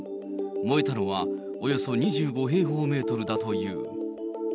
燃えたのはおよそ２５平方メートルだという。